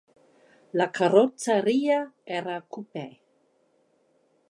La carrozzeria era coupé.